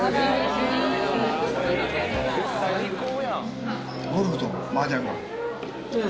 最高やん。